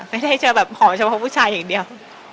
ไม่ใช่เจอแบบหอเฉพาะผู้ชายอย่างเดียว